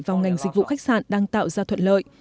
vào ngành dịch vụ khách sạn đang tạo ra thuận lợi